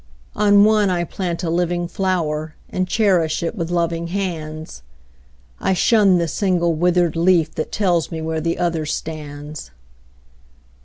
On one I plant a living flower, And cherish it with loving hands;I shun the single withered leafThat tells me where the other stands.